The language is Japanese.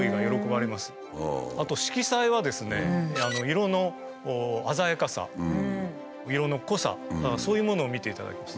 あと色彩はですね色の鮮やかさ色の濃さそういうものを見ていただきます。